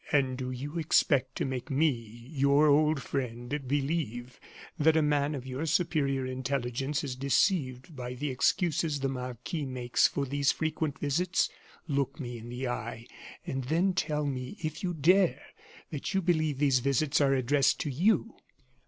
"And do you expect to make me, your old friend, believe that a man of your superior intelligence is deceived by the excuses the marquis makes for these frequent visits? Look me in the eye, and then tell me, if you dare, that you believe these visits are addressed to you!"